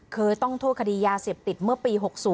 เคยต้องโทษคดียาเสพติดเมื่อปี๖๐